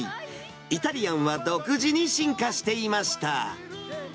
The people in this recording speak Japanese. イタリアンは独自に進化していました。